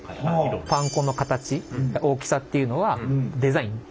パン粉の形大きさっていうのはデザイン。